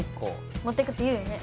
持ってくって言うよね